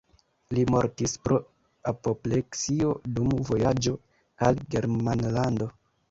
Li mortis pro apopleksio dum vojaĝo al Germanlando.